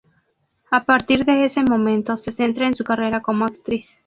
A partir de ese momento, se centra en su carrera como actriz.